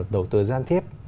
đầu tư gian thiếp